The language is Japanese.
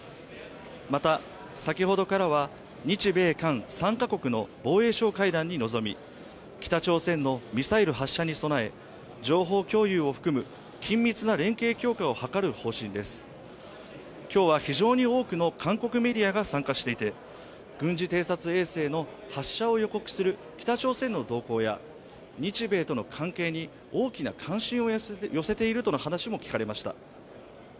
また、先ほどからは日米韓３カ国の防衛相会談に臨み、北朝鮮のミサイル発射に備え、情報共有を含む緊密な連携強化を図る方針です今日は非常に多くの韓国メディアが参加していて、軍事偵察衛星の発射を予告する北朝鮮の動向や、日米との関係に大きな関心を寄せているとの話も聞かれました。